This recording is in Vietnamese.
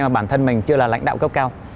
bản thân mình chưa là lãnh đạo cấp cao